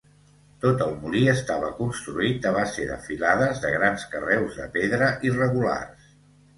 Tot el molí estava construït a base de filades de grans carreus de pedra irregulars.